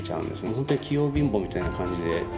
本当に器用貧乏みたいな感じで。